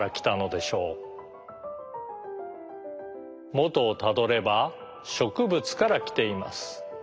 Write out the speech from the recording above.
もとをたどればしょくぶつからきています。